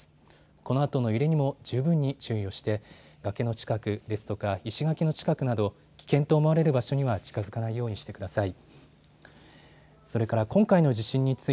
このあとの揺れにも十分に注意をして崖の近くですとか石垣の近くなど危険と思われる場所には近づかないようにしてください。